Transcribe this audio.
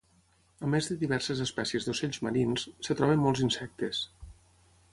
A més de diverses espècies d'ocells marins, es troben molts insectes.